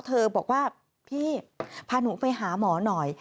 เธอบอกว่าพี่พาหนูไปหาหมอหน่อย